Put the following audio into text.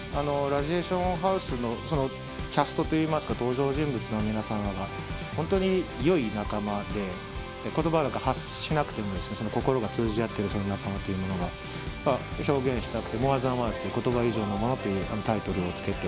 『ラジエーションハウス』のキャストといいますか登場人物の皆さまがホントによい仲間で言葉なんか発しなくても心が通じ合ってる仲間というものが表現したくて『ＭｏｒｅＴｈａｎＷｏｒｄｓ』という「言葉以上のもの」ってタイトルをつけて。